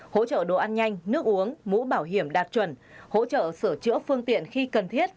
hỗ trợ đồ ăn nhanh nước uống mũ bảo hiểm đạt chuẩn hỗ trợ sửa chữa phương tiện khi cần thiết